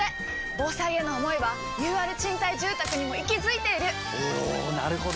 防災への想いはＵＲ賃貸住宅にも息づいているおなるほど！